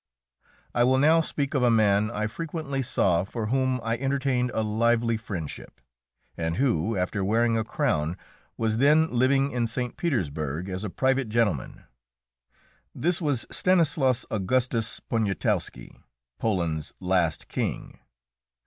I will now speak of a man I frequently saw for whom I entertained a lively friendship, and who, after wearing a crown, was then living in St. Petersburg as a private gentleman. This was Stanislaus Augustus Poniatowski, Poland's last king.